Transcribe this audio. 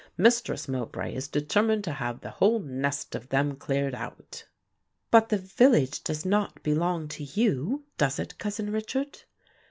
Mistress Mowbray is determined to have the whole nest of them cleared out." "But the village does not belong to you, does it, Cousin Richard?"